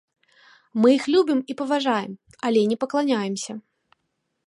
Мы іх любім і паважаем, але не пакланяемся.